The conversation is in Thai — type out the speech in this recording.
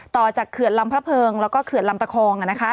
ต่อจากเขื่อนลำพระเพิงแล้วก็เขื่อนลำตะคอง